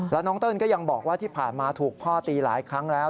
แล้วน้องเติ้ลก็ยังบอกว่าที่ผ่านมาถูกพ่อตีหลายครั้งแล้ว